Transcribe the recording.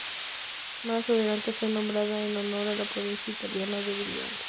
Más adelante fue nombrado en honor a la provincia italiana de Brianza.